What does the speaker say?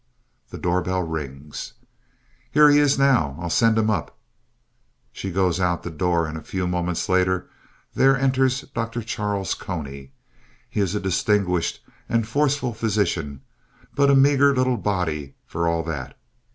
(The door bell rings.) Here he is now. I'll send him up. (_She goes out the door, and a few moments later there enters Dr. Charles Cony. He is a distinguished and forceful physician, but a meager little body for all that.